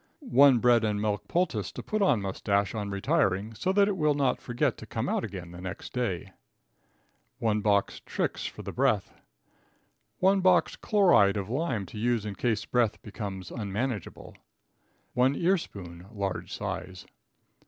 1 Bread and Milk Poultice to put on Moustache on retiring, so that it will not forget to come out again the next day. 1 Box Trix for the breath. 1 Box Chloride of Lime to use in case breath becomes unmanageable. 1 Ear spoon (large size).